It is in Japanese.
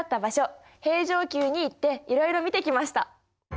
平城宮に行っていろいろ見てきました。